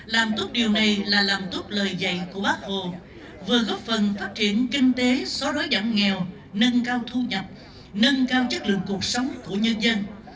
làm tốt điều này là làm tốt lời dạy của bác hồ vừa góp phần phát triển kinh tế xóa đói giảm nghèo nâng cao thu nhập nâng cao chất lượng cuộc sống của nhân dân